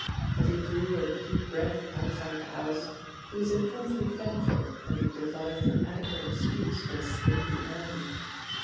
As he drew a deep breath outside the house, he was intensely thankful that he had devised an adequate excuse for escaping early.